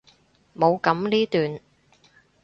冇噉呢段！